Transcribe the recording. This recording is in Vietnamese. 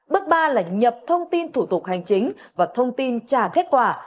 bước ba là nhập thông tin thủ tục hành chính và thông tin trả kết quả